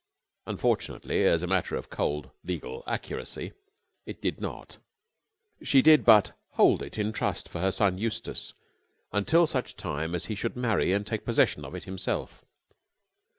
Unfortunately, as a matter of cold, legal accuracy, it did not. She did but hold it in trust for her son, Eustace, until such time as he should marry and take possession of it himself.